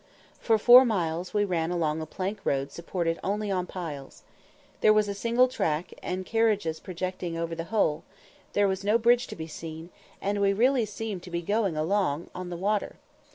For four miles we ran along a plank road supported only on piles. There was a single track, and the carriages projecting over the whole, there was no bridge to be seen, and we really seemed to be going along on the water.